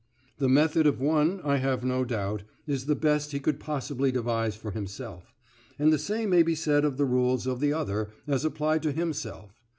The method of one, I have no doubt, is the best he could possibly devise for himself; and the same may be said of the rules of the other as applied to himself.